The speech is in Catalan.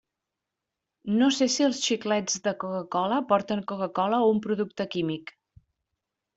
No sé si els xiclets de Coca-cola porten Coca-cola o un producte químic.